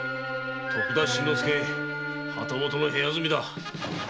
徳田新之助旗本の部屋住みだ。